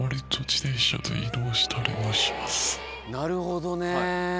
なるほどね。